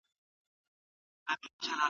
موږ باید د الهي احکامو درناوی وکړو.